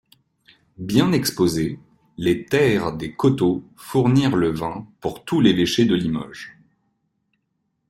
Bien exposées, les terres des coteaux fournirent le vin pour tout l'évêché de Limoges.